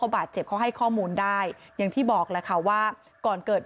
บาดเจ็บเขาให้ข้อมูลได้อย่างที่บอกแหละค่ะว่าก่อนเกิด